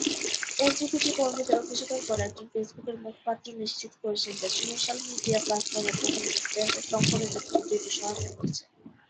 LGBT কর্মীদের অভিযোগের পরে একজন ফেসবুকের মুখপাত্র নিশ্চিত করেছেন যে সোশ্যাল মিডিয়া প্ল্যাটফর্মের কমিউনিটি স্ট্যান্ডার্ড লঙ্ঘনের জন্য ভিডিওটি সরানো হয়েছে।